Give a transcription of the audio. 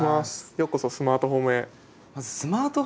ようこそスマートホームへ。